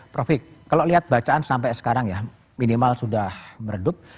prof hik kalau lihat bacaan sampai sekarang ya minimal sudah meredup